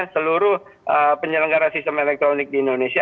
seluruh penyelenggara sistem elektronik di indonesia